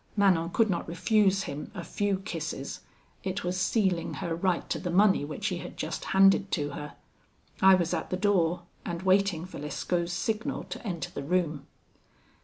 Manon could not refuse him a few kisses: it was sealing her right to the money which he had just handed to her. I was at the door, and waiting for Lescaut's signal to enter the room.